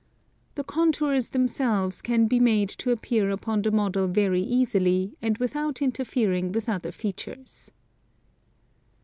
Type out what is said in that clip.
The contours themselves can be made to appear upon the model very easily and without interfering with other features.